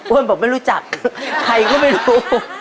บอกไม่รู้จักใครก็ไม่รู้